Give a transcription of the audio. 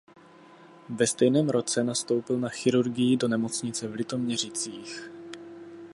Ve stejném roce nastoupil na chirurgii do nemocnice v Litoměřicích.